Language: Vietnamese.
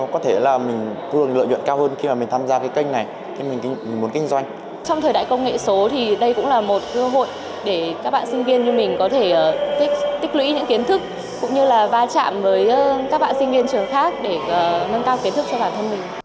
có thể tích lũy những kiến thức cũng như là va chạm với các bạn sinh viên trường khác để nâng cao kiến thức cho bản thân mình